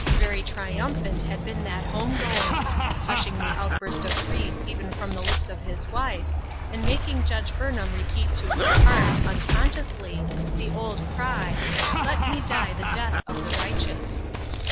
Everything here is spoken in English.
Very triumphant had been PLANTS THAT HAD BLOSSOMED. 25 that home going ; hushing the outburst of grief even from the lips of his wife, and making Judge Burnham repeat to his heart, unconsciously, the old cry, " Let me die the death of the righteous."